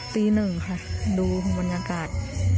ตี๑ค่ะดูบรรยากาศ